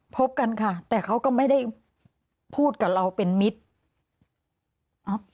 พบกันค่ะแต่เขาก็ไม่ได้พูดกับเราเป็นมิตร